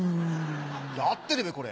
合ってるべこれ。